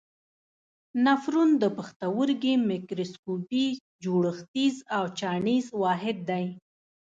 نفرون د پښتورګي میکروسکوپي جوړښتیز او چاڼیز واحد دی.